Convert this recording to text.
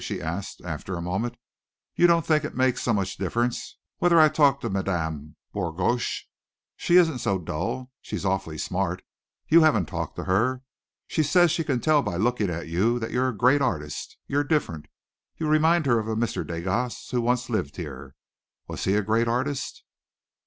she asked after a moment. "You don't think it makes so much difference whether I talk to Madame Bourgoche? She isn't so dull. She's awfully smart. You just haven't talked to her. She says she can tell by looking at you that you're a great artist. You're different. You remind her of a Mr. Degas that once lived here. Was he a great artist?"